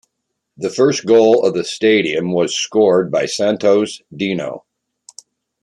The first goal of the stadium was scored by Santos' Dino.